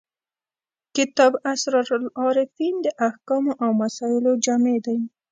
کتاب اسرار العارفین د احکامو او مسایلو جامع دی.